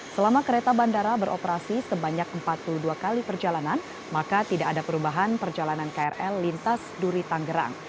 selama kereta bandara beroperasi sebanyak empat puluh dua kali perjalanan maka tidak ada perubahan perjalanan krl lintas duri tanggerang